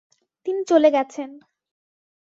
তিনি চলে গেছেন।